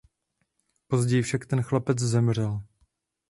Později však ten chlapec zemřel.